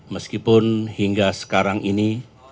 meskipun hingga sekarang ini